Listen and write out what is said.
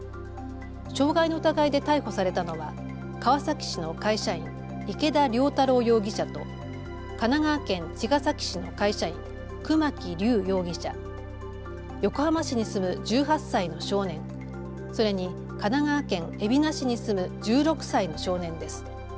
傷害の疑いで逮捕されたのは川崎市の会社員、池田燎太朗容疑者と神奈川県茅ヶ崎市の会社員、熊木龍容疑者、横浜市に住む１８歳の少年、それに神奈川県海老名市に住む１６歳の少年です。